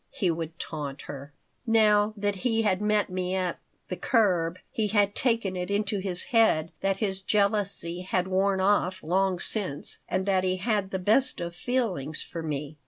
he would taunt her Now, that he had met me at "The Curb," he had taken it into his head that his jealousy had worn off long since and that he had the best of feelings for me.